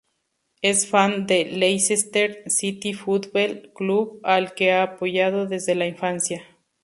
Es fan de Leicester City Football Club, al que ha apoyado desde la infancia.